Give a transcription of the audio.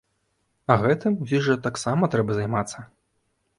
А гэтым усім жа таксама трэба займацца.